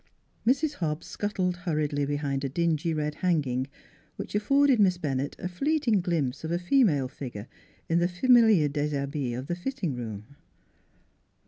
Mrs. Hobbs scuttled hurriedly behind a dingy red hanging which afforded Miss Bennett a fleet ing glimpse of a female figure in the familiar dishabille of the fitting room.